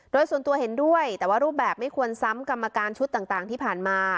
โดยส่วนตัวเห็นด้วยแต่ว่ารูปแบบไม่ควรซ้ำกรรมการชุดต่างที่ผ่านมา